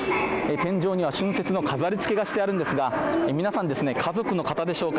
天井には春節の飾り付けがしてあるんですが皆さん、家族の方でしょうか。